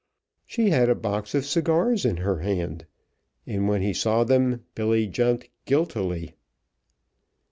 She had a box of cigars in her hand, and when he saw them Billy jumped guiltily.